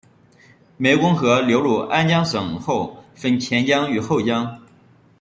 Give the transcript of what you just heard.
湄公河流入安江省后分前江与后江。